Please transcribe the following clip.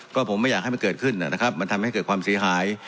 ก็ผมไม่อยากให้มันเกิดขึ้นนะครับมันทำให้เกิดความเสียหาย